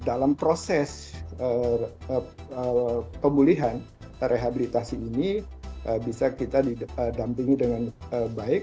jadi dalam proses pemulihan rehabilitasi ini bisa kita didampingi dengan baik